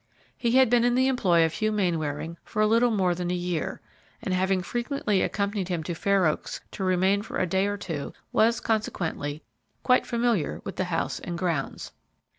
He had been in the employ of Hugh Mainwaring for a little more than a year, and, having frequently accompanied him to Fair Oaks to remain for a day or two, was, consequently, quite familiar with the house and grounds.